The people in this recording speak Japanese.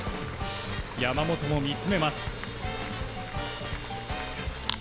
山本も見つめます。